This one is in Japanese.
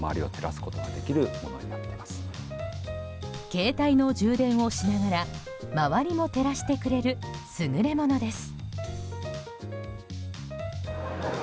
携帯の充電をしながら周りも照らしてくれる優れものです。